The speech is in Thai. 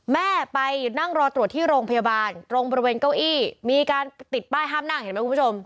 แม่ไปนั่งรอตรวจที่โรงพยาบาลตรงบริเวณเก้าอี้มีการติดป้ายห้ามนั่งเห็นไหมคุณผู้ชม